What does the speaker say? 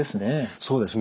そうですね。